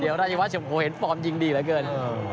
เดี๋ยวราชิวาเฉพาะเห็นฟอร์มยิงดีแล้วเกิน